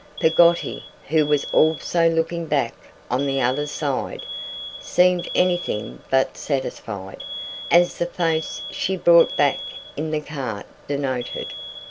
Peggotty, who was also looking back on the other side, seemed anything but satisfied; as the face she brought back in the cart denoted.